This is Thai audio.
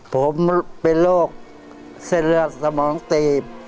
ผมเป็นโรคเส้นเลือดสมองตีบ